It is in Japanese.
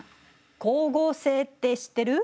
光合成って知ってる？